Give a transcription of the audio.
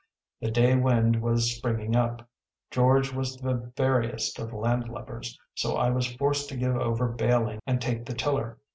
The day wind was springing up. George was the veriest of landlubbers, so I was forced to give over bailing and take the tiller.